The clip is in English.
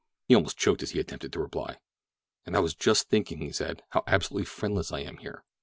He almost choked as he attempted to reply. "And I was just thinking," he said, "how absolutely friendless I am here.